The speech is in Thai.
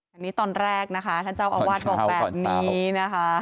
อันนี้ตอนแรกนะคะท่านเจ้าอาวาสบอกแบบนี้นะคะ